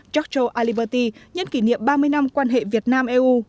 giorgio aliberti nhân kỷ niệm ba mươi năm quan hệ việt nam eu